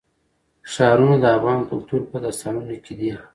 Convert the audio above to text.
ښارونه د افغان کلتور په داستانونو کې دي.